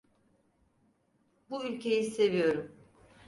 Bu ülkeyi seviyorum.